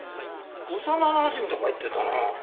幼なじみとか言ってたな。